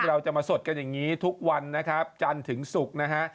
เราจะมาสดกันอย่างนี้ทุกวันนะครับจันทร์ถึงศุกร์นะฮะ